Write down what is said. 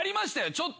ちょっと。